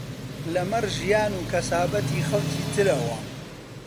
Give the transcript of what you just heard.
لەمەڕ ژیان و کەسابەتی خەڵکی ترەوە